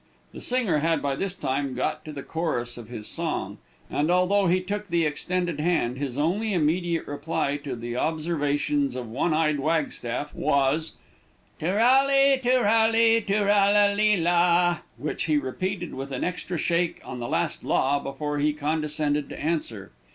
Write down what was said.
The singer had by this time got to the chorus of his song, and although he took the extended hand, his only immediate reply to the observations of one eyed Wagstaff, was "too ral li, too ral li, too ral li la," which he repeated with an extra shake on the last "la," before he condescended to answer.